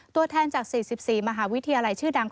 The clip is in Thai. ตัวแทนจาก๔๔มหาวิทยาลัยชื่อดัง